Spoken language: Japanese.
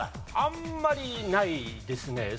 あんまりないですね。